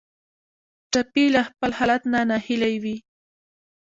ټپي له خپل حالت نه ناهیلی وي.